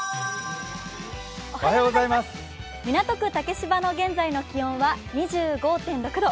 港区・竹芝の現在の気温は２５．６度。